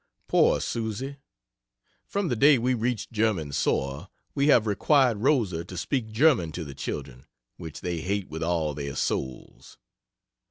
Poor Susy! From the day we reached German soil, we have required Rosa to speak German to the children which they hate with all their souls.